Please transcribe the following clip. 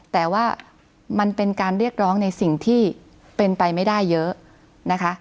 แต่ว่ามันเป็นการเรียกร้องในสิ่งที่เป็นไปไม่ได้เยอะนะคะ